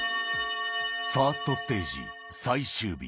ファーストステージ最終日。